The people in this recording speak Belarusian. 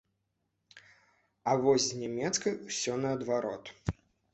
А вось з нямецкай усё наадварот.